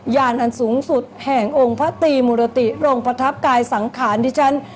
ญาณอันสูงสุดแห่งองค์พระตรีมุรติองค์ประทับกายสังขารดิฉัน